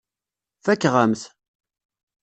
Fakeɣ-am-t.